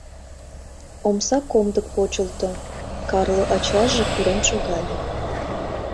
Омса комдык почылто, Карло ачаже пурен шогале.